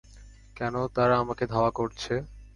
কেন তারা আমাকে ধাওয়া করছে?